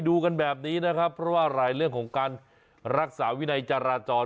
ดูกันแบบนี้นะครับเพราะว่าหลายเรื่องของการรักษาวินัยจราจร